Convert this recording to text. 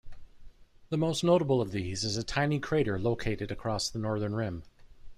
The most notable of these is a tiny crater located across the northern rim.